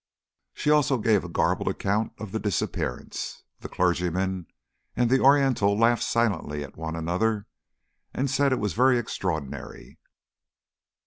She also gave a garbled account of the disappearance. The clergyman and the Oriental laughed silently at one another, and said it was very extraordinary.